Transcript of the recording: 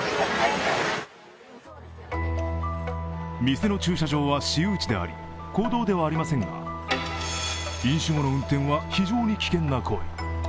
店の駐車場は私有地であり公道ではありませんが、飲酒後の運転は非常に危険な行為。